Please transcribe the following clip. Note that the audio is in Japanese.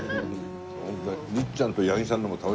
ホントに。